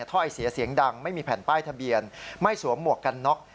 ถ้อยเสียเสียงดังไม่มีแผ่นป้ายทะเบียนไม่สวมหมวกกันน็อก